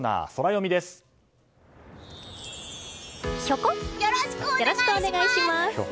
よろしくお願いします！